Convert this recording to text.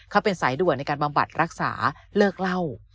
เขาเป็นสายด่วนในการบำบัดรักษาเลิกเล่า